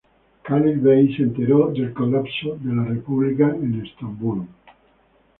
Khalil Bey se enteró del colapso de la República en Estambul.